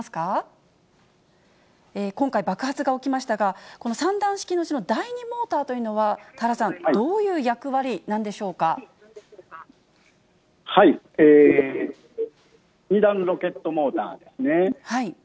今回、爆発が起きましたが、この３段式の第２モーターというのは、田原さん、どういう役割な２段ロケットモーターですね。